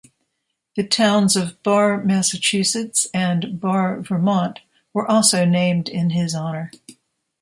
The towns of Barre, Massachusetts and Barre, Vermont were also named in his honour.